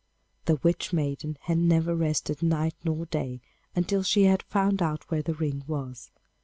The Witch maiden had never rested night nor day until she had found out where the ring was.